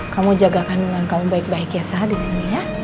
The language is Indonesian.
kamu jaga kandungan kamu baik baik ya sa disini ya